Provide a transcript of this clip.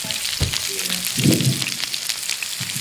hii ni hali ya mambo nchini tanzania baada tu